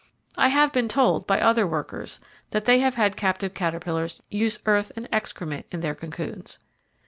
I have been told by other workers that they have had captive caterpillars use earth and excrement in their cocoons.